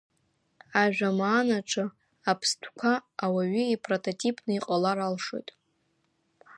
Ажәамаанаҿы аԥстәқәа ауаҩы ипрототипны иҟалар алшоит.